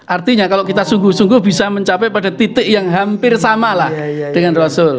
artinya kalau kita sungguh sungguh bisa mencapai pada titik yang hampir sama lah dengan rasul